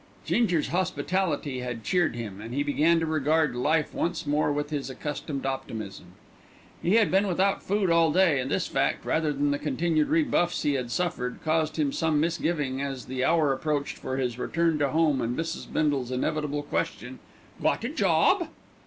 Ginger's hospitality had cheered him, and he began to regard life once more with his accustomed optimism. He had been without food all day, and this fact, rather than the continued rebuffs he had suffered, caused him some misgiving as the hour approached for his return to home and Mrs. Bindle's inevitable question, "Got a job?"